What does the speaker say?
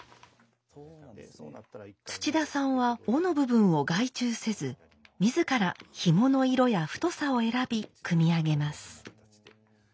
土田さんは緒の部分を外注せず自らひもの色や太さを選び組み上げます。